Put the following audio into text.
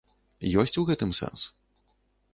Ёсць у гэтым сэнс.